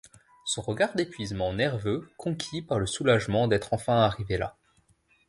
Son regard d’épuisement nerveux conquis par le soulagement d’être enfin arrivée là.